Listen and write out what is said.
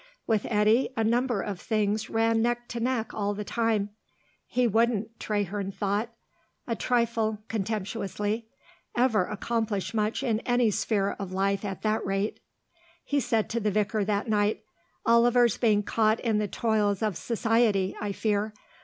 With Eddy a number of things ran neck to neck all the time. He wouldn't, Traherne thought, a trifle contemptuously, ever accomplish much in any sphere of life at that rate. He said to the vicar that night, "Oliver's being caught in the toils of Society, I fear.